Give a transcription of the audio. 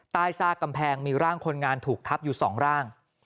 ซากกำแพงมีร่างคนงานถูกทับอยู่๒ร่าง